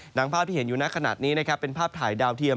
หนังภาพที่เห็นอยู่ในขณะนี้เป็นภาพถ่ายดาวเทียม